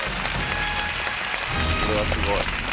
これはすごい。